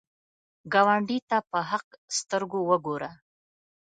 ګاونډي ته په حق سترګو وګوره